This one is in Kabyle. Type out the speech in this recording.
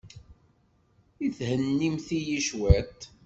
I thennimt-iyi cwiṭ?